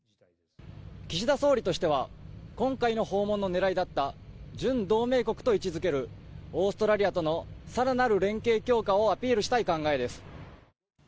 岸田総理としては今回の訪問の狙いだった準同盟国と位置づけるオーストラリアとの更なる連携強化をアピールしたい考えです。